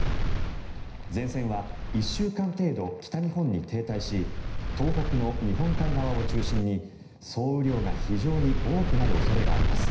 前線は１週間程度、北日本に停滞し東北の日本海側を中心に総雨量が非常に多くなる恐れがあります。